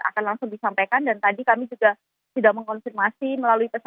akan langsung disampaikan dan tadi kami juga sudah mengonfirmasi melalui pesan